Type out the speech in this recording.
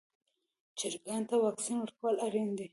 چرګانو ته واکسین ورکول اړین دي.